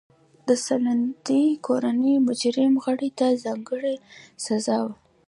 د سلطنتي کورنۍ مجرم غړي ته ځانګړې سزا وه.